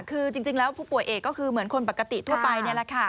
คือจริงแล้วผู้ป่วยเอกก็คือเหมือนคนปกติทั่วไปนี่แหละค่ะ